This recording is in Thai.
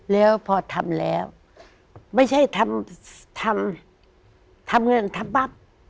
แล้วพอทำแล้วไม่ใช่ทำเงินทำบับ